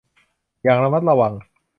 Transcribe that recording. อย่างระมัดระวัง